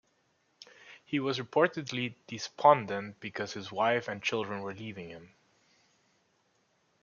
He was reportedly despondent because his wife and children were leaving him.